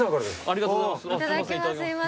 ありがとうございます。